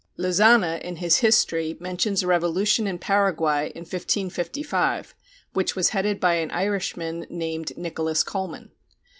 Lozana in his History mentions a revolution in Paraguay in 1555, which was headed by an Irishman named Nicholas Colman.